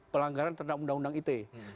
pelanggaran terhadap undang undang ite